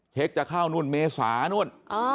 จะเข้านู่นเมษานู่น